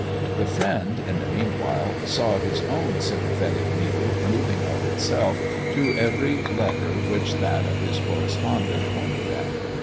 The friend, in the meanwhile, saw his own sympathetic needle moving of itself to every letter which that of his correspondent pointed at.